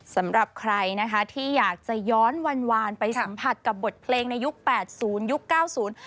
สำหรับใครนะคะที่อยากจะย้อนวันวานไปสัมผัสกับบทเพลงในยุคแปดศูนย์ยุคเก้าศูนย์